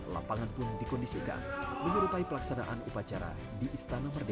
lapangan pun dikondisikan menyerupai pelaksanaan upacara di istana merdeka